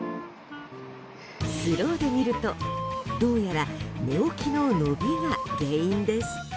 スローで見ると、どうやら寝起きの伸びが原因です。